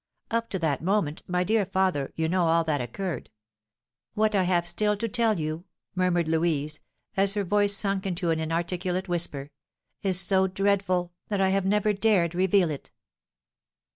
Up to that moment, my dear father, you know all that occurred. What I have still to tell you," murmured Louise, as her voice sunk into an inarticulate whisper, "is so dreadful that I have never dared reveal it."